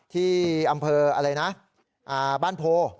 ที่อำเภอบ้านโพ